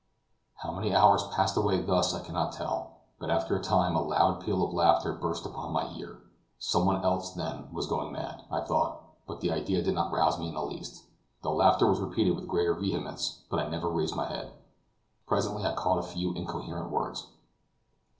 How many hours passed away thus I cannot tell, but after a time a loud peal of laughter burst upon my ear. Someone else, then, was going mad, I thought; but the idea did not rouse me in the least. The laughter was repeated with greater vehemence, but I never raised my head. Presently I caught a few incoherent words.